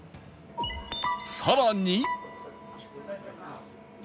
更に